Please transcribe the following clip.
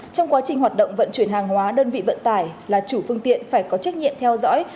trong quá trình hoạt động vận chuyển hàng hóa đơn vị vận tải là chủ phương tiện phải có trách nhiệm theo dõi